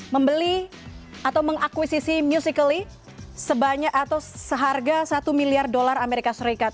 membeli atau mengakuisisi musically sebanyak atau seharga satu miliar dolar amerika serikat